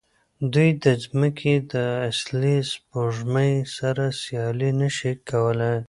دوی د ځمکې د اصلي سپوږمۍ سره سیالي نه شي کولی.